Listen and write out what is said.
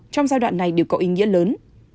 đoạn này đều có ý nghĩa lớn